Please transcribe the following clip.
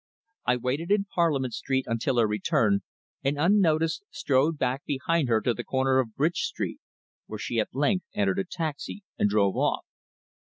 I waited in Parliament Street until her return, and unnoticed strode back behind her to the corner of Bridge Street, where she at length entered a taxi and drove off.